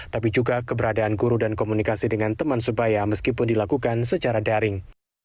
tapi juga keberadaan guru dan komunikasi dengan teman sebaya meskipun dilakukan secara daring